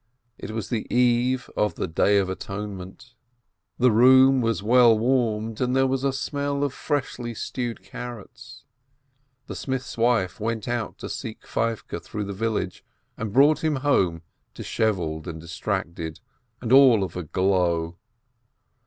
It was the Eve of the Day of Atonement. The room was well warmed, and there was a smell of freshly stewed carrots. The smith's wife went out to seek Feivke through the village, and brought him home dishevelled and distracted, and all of a glow.